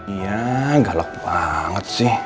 iya galak banget sih